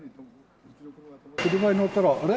車に乗ったら、あれ？